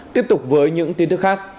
tiếp tục với những tin tức khác